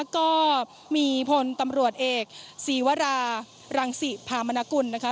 ก็มีพลตำรวจเอกศีวรารังศิพามนกุลนะคะ